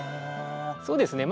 そうですね。